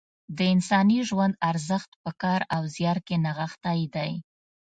د انساني ژوند ارزښت په کار او زیار کې نغښتی دی.